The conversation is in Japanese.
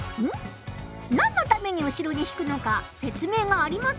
なんのために後ろに引くのか説明がありませんね。